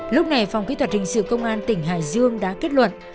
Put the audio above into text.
lúc này phòng kỹ thuật hình sự công an tỉnh hải dương đã kết luận